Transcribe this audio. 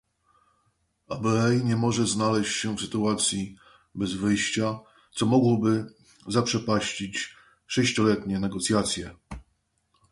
Abyei nie może znaleźć się w sytuacji bez wyjścia, co mogłoby zaprzepaścić sześcioletnie negocjacje